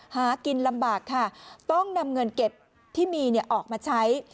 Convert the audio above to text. หากินลำบากค่ะต้องนำเงินเก็บที่มีออกมาใช้